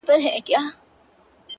راسه دروې ښيم”